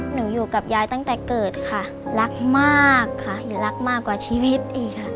อยู่กับยายตั้งแต่เกิดค่ะรักมากค่ะรักมากกว่าชีวิตอีกค่ะ